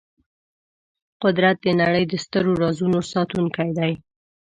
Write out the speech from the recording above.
قدرت د نړۍ د سترو رازونو ساتونکی دی.